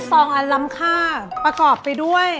ในทรงนั้นรำข้าประกอบไปด้วย